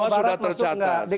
semua sudah tercatat